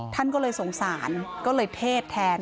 ท่านก็เลยสงสารก็เลยเทศแทน